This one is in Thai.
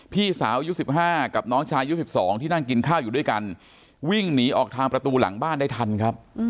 พี่สาวอายุ๑๕กับน้องชายอายุ๑๒ที่นั่งกินข้าวอยู่ด้วยกันวิ่งหนีออกทางประตูหลังบ้านได้ทันครับ